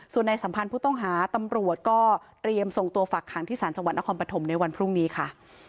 ส่วนในสัมพันธ์ผู้ต้องหาตำรวจก็เตรียมส่งตัวฝักขังที่ศาลจังหวัดนครปฐมในวันพรุ่งนี้ค่ะ